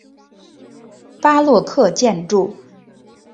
巴洛克建筑。